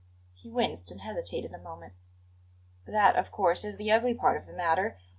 He winced and hesitated a moment. "That, of course, is the ugly part of the matter.